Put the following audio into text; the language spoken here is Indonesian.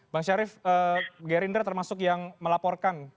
bang syarif gerindra termasuk yang melaporkan